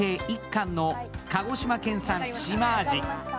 １貫の鹿児島県産シマアジ。